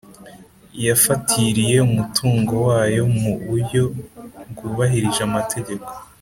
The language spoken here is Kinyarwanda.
Yafatiriye umutungo wayo mu buryo bwubahirije amategeko